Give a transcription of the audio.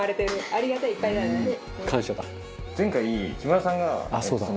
「ありがたい」いっぱいだよね。